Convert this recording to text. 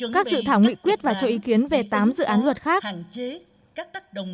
các dự thảo nghị quyết và cho ý kiến về tám dự án luật khác